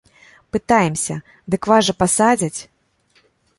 Пытаемся, дык вас жа пасадзяць?!